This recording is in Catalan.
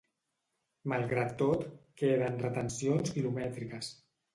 Malgrat tot, queden retencions quilomètriques.